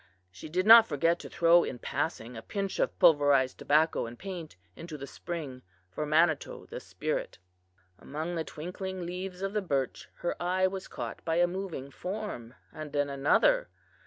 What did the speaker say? She did not forget to throw in passing a pinch of pulverized tobacco and paint into the spring for Manitou, the spirit. "Among the twinkling leaves of the birch her eye was caught by a moving form, and then another.